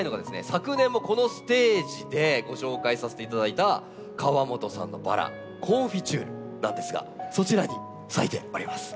昨年もこのステージでご紹介させていただいた河本さんのバラ「コンフィチュール」なんですがそちらに咲いておりますコンフィチュール。